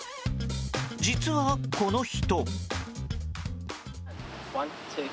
実は、この人。